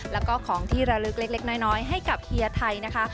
แล้วก็ของที่ระลึกเล็กน้อยให้กับเฮียไทยนะคะ